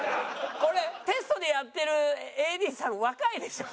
これテストでやってるＡＤさん若いでしょ？